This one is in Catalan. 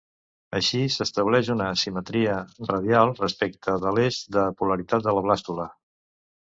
Així s'estableix una simetria radial respecte de l'eix de polaritat de la blàstula.